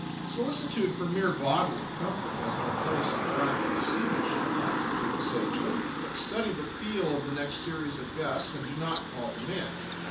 Solicitude for mere bodily comfort has no place in practical seamanship, I conclude sagely; but study the feel of the next series of gusts and do not call the men.